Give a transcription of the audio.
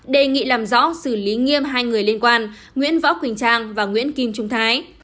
đề nghị làm rõ xử lý nghiêm hai người liên quan nguyễn võ quỳnh trang và nguyễn kim trung thái